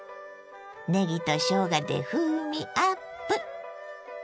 ねぎとしょうがで風味アップ。